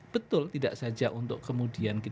betul tidak saja untuk kemudian